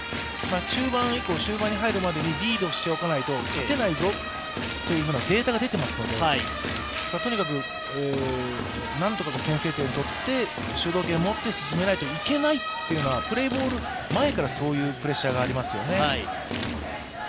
中盤以降、終盤に入るまでにリードしていないと勝てないぞというのがデータが出ていますので、とにかく何とか先制点を取って、主導権を持って進めないといけないというのはプレーボール前からそういうプレッシャーがありますよね。